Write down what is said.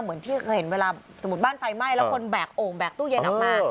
เหมือนที่เคยเห็นเวลาสมมุติบ้านไฟไหม้แล้วคนแบกโอ่งแบกตู้เย็นออกมา